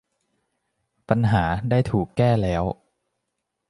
ปัญหาได้ถูกแก้แล้ว